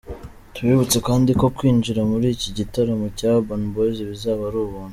Tubibutse kandi ko kwinjira muri iki gitaramo cya Urban Boys bizaba ari ubuntu.